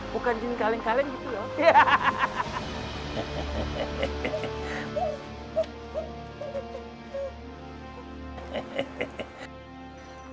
bukan di kaleng kaleng gitu loh